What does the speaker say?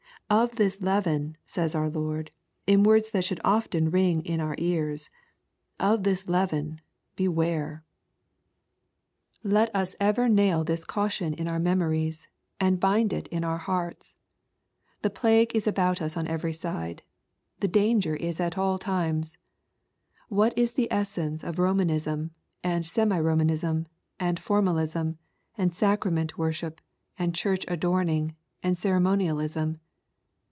Of this leaven, says our Lord, in words that should often ring in our ears, — of this leaven, beware 1 LUKE^ CHAP. XII. 59 Let us ever nail this caution in jur memories, and bind it on our hearts. The plague is about us on every Bide. The danger is at all times. What is the essence of Romanism, and semi Romanism, and formalism, and sacrament worship and church adorning, and ceremo nialism